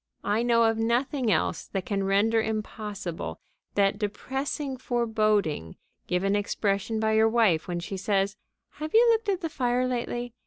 I know of nothing else that can render impossible that depressing foreboding given expression by your wife when she says: "Have you looked at the fire lately?